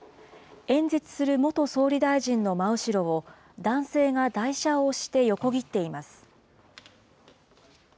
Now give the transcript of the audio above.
演説する元総理大臣の真後ろを、男性が台車を押して横切っています。